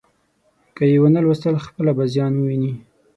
که یې ونه ولوستل، خپله به زیان وویني.